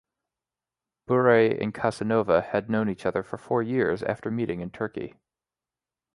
Bure and Khasanova had known each other for four years after meeting in Turkey.